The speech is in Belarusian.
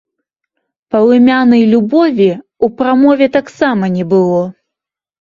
Палымянай любові ў прамове таксама не было.